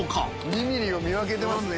２ｍｍを見分けてますね。